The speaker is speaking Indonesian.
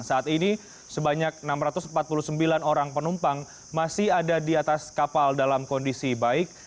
saat ini sebanyak enam ratus empat puluh sembilan orang penumpang masih ada di atas kapal dalam kondisi baik